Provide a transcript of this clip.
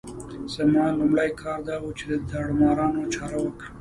زما لومړی کار دا وو چې د داړه مارانو چاره وکړم.